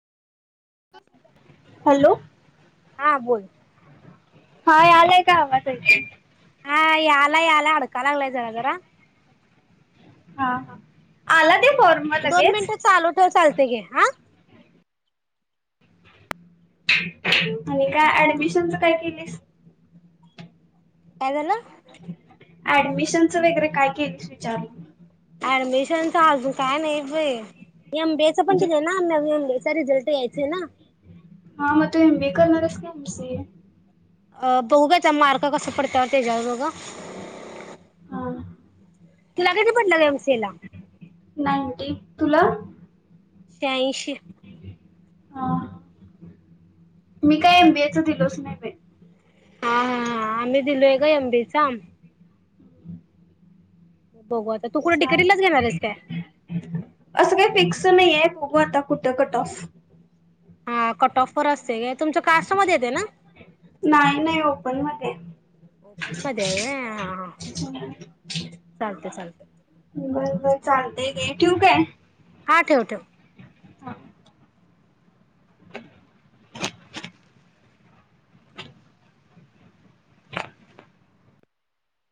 Hello हा बोल. हा यायलाय का आवाज ऐकू? हा याला याला अडकाय लागलाय जरा जरा हा हा आला त्यो दोन मिनिटं चालू ठेव चालते घे हा [inaudible] आणि का ऍडमिशनचं काय केलीस? काय झालं? ऍडमिशनच वगैरे काय केलीस विचारलं? ऍडमिशनच अजून काय नाही बई. एमबीए च पण म्हणजे दिलेल ना आम्ही. अजून एमबीए रिझल्ट यायचंय ना. हा मग तू एम बी ए करणार हाईस काय एम सी ए? अं बघु की आता मार्क कस पडतात त्याच्यावर बघ. हा तिला किती पडल्यात एम सी ए ला? नाईंटी तुला शहाऐंशी ह मी काय एमबीएच दिलोचं नई बई. हा हा हा आम्ही दिलोय गं एम बी ए चा बघू आता. तर तू कुठ डी के टी चालेल लाच घेणार आहेस का? तं नाही आहे बघू आता कुठं कट ऑफ हा कटऑफ वर असते घे नाही नाही ओपन मध [inaudible] ओपनमध्ये आहे व्हयं हा चालतय चालतय. चालतेय घे ठेवू काय. हा ठेव ठेव हा [inaudible]